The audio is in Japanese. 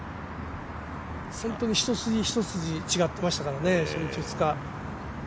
本当に一筋一筋違ってましたからね、初日２日。